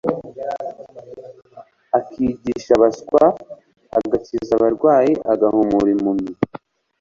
akigisha abaswa, agakiza abarwayi, agahumura impumyi,